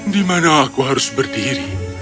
di mana aku harus berdiri